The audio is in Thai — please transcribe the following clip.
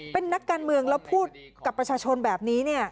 เป็นนักการเมืองแล้วพูดกับประชาชนแบบนี้เนี่ย